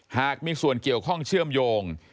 หากมีส่วนเกี่ยวข้องเชื่อมโยง